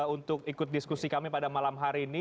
untuk ikut diskusi kami pada malam hari ini